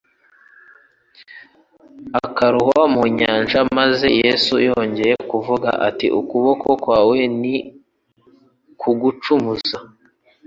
akarohwa mu nyanja ». Maze Yesu yongera kuvuga ati :« Ukuboko kwawe ni kugucumuza,